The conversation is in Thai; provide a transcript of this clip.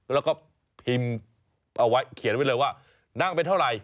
แล้วก็พิมพ์เอาไว้เขียนไว้เลยว่านั่งไปเท่าไหร่